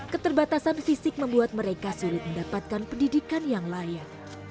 keterbatasan fisik membuat mereka sulit mendapatkan pendidikan yang layak